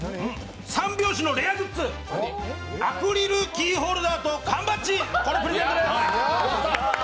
三拍子のレアグッズ、アクリルキーホルダーと缶バッジ、プレゼントです。